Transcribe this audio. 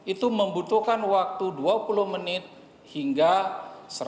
itu membutuhkan waktu dua puluh menit hingga satu ratus dua puluh detik